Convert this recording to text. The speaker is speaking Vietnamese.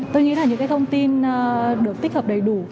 tôi nghĩ là những cái thông tin được tích hợp đầy đủ